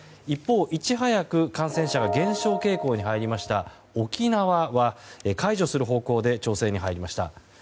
一方、いち早く感染者が減少傾向に入りました沖縄は解除する方向で調整に入りました。